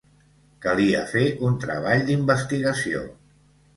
Calia fer un treball d'investigació.